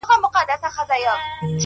o زه د بل له ښاره روانـېـږمـه،